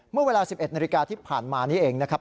เมื่อเวลา๑๑นาฬิกาที่ผ่านมานี้เองนะครับ